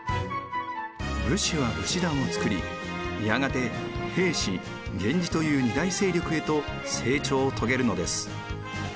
武士は武士団を作りやがて平氏源氏という２大勢力へと成長を遂げるのです。